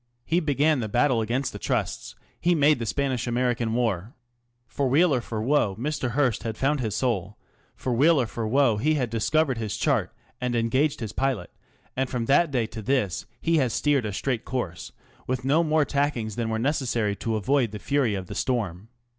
He began the battle against the Trusts; he made the Spanish American war. For weal or for woe Mr. Hearst had found his soul ; for weal or for woe he had discovered his chart and engaged his pilot, and from that day to this he has steered a straight course, with no more tackings than were necessary to avoid the fury of the storm.